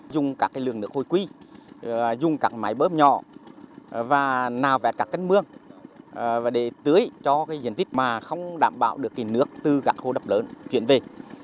dùng các lường nước hồi quy dùng các máy bơm nhỏ và nào vẹt các cân mương để tưới cho diện tích mà không đảm bảo được nước từ các hồ đập lớn chuyển về